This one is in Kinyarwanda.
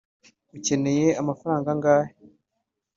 ukeneye amafaranga angahe